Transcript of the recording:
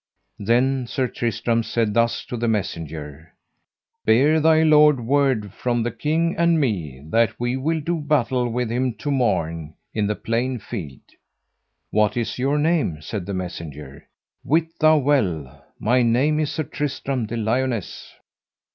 Then Sir Tristram said thus to the messenger: Bear thy lord word from the king and me, that we will do battle with him to morn in the plain field. What is your name? said the messenger. Wit thou well my name is Sir Tristram de Liones.